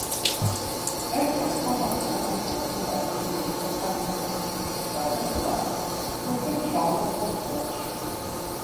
ერთხელ ხომალდი, რომლითაც ნეტარი გრიგოლი კონსტანტინოპოლში მიემგზავრებოდა, თურქებს ჩაუვარდათ ხელში.